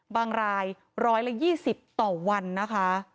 บางรายร้อยละ๒๐ต่อวันนะคะ